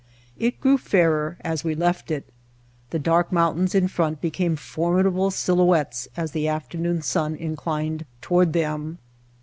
It grew fairer as we left it. The dark mountains in front became formidable silhouettes as the afternoon sun inclined toward them.